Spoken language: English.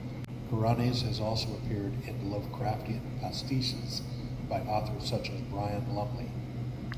Kuranes has also appeared in Lovecraftian pastiches by authors such as Brian Lumley.